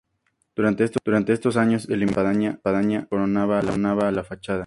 Durante estos años eliminaron la espadaña que coronaba la fachada.